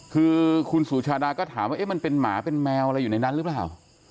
คือคุณสุชาดาก็ถามว่ามันเป็นหมาเป็นแมวอะไรอยู่ในนั้นหรือเปล่า